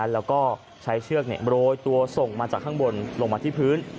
แล้วก็ใช้เชือกโรยตัวส่งมาจากข้างบนลงมาที่พื้น